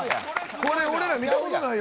これ、俺ら見たいことないよ